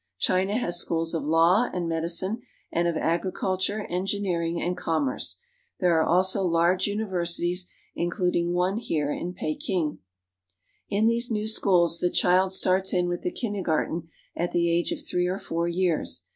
China has schools of law and medicine and of agriculture, engineering, and commerce. There are also large universities, including one here in Peking. In these new schools the child starts in with the kinder garten at the age of three or four years.